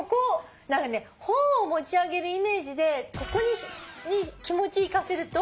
何かね本を持ち上げるイメージでここに気持ちいかせると。